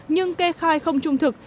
nhưng kê khai không trung thực